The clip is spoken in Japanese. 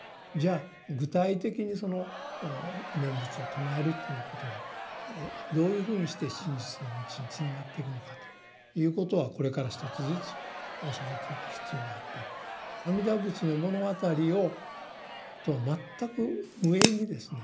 あ具体的に「念仏を称える」ということはどういうふうにして真実の道につながっていくのかということはこれから一つずつ押さえていく必要があって「阿弥陀仏の物語」をとは全く無縁にですね